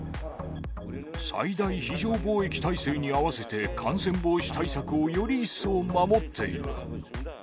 最大非常防疫体制に合わせて感染防止対策をより一層守っている。